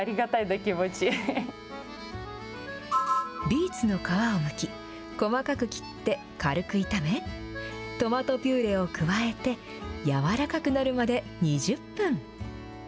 ビーツの皮をむき、細かく切って軽く炒め、トマトピューレを加えて、柔らかくなるまで２０分。